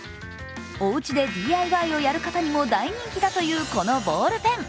おうちでＤＩＹをやる方にも大人気だというこのボールペン。